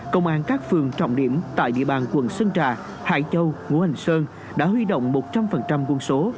công an các phường trọng điểm tại địa bàn quận sơn trà hải châu ngũ hành sơn đã huy động một trăm linh quân số